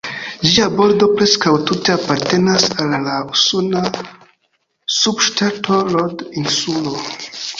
Ĝia bordo preskaŭ tute apartenas al la usona subŝtato Rod-Insulo.